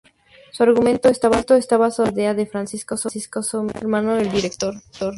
Su argumento está basado en una idea de Francisco Summers, hermano del director.